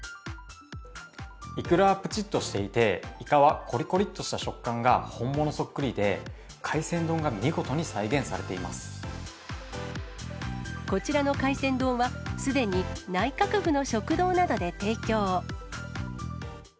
イクラはぷちっとしていて、イカはこりこりっとした食感が本物そっくりで、海鮮丼が見事に再こちらの海鮮丼は、すでに内閣府の食堂などで提供。